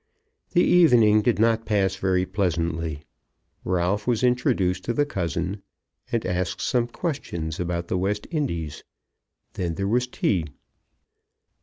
The evening did not pass very pleasantly. Ralph was introduced to the cousin, and asked some questions about the West Indies. Then there was tea.